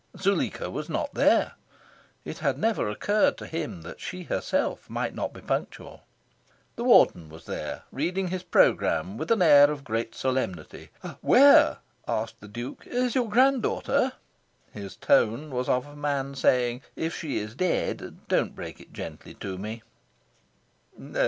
Zuleika was not there! It had never occurred to him that she herself might not be punctual. The Warden was there, reading his programme with an air of great solemnity. "Where," asked the Duke, "is your grand daughter?" His tone was as of a man saying "If she is dead, don't break it gently to me."